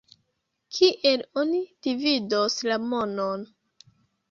Kiel oni dividos la monon?